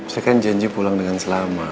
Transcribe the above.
saya kan janji pulang dengan selamat